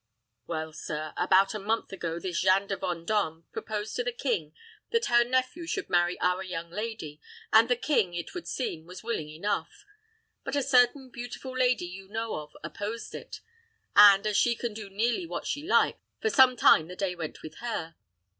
"Well, sir, about a month ago this Jeanne de Vendôme proposed to the king that her nephew should marry our young lady, and the king, it would seem, was willing enough; but a certain beautiful lady you know of opposed it, and, as she can do nearly what she likes, for some time the day went with her.